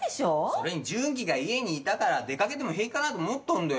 それに順基が家にいたから出かけても平気かなと思ったんだよ。